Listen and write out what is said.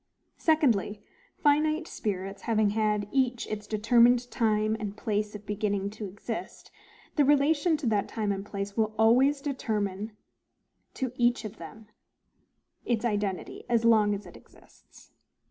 Secondly, FINITE SPIRITS having had each its determinated time and place of beginning to exist, the relation to that time and place will always determine to each of them its identity, as long as it exists.